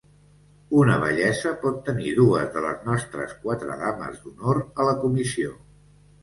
Una Bellesa pot tenir dues de les nostres quatre Dames d'honor a la comissió.